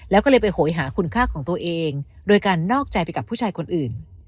แล้วก็เลยไปโหยหาคุณค่าของตัวเองโดยการนอกใจไปกับผู้ชายคนอื่น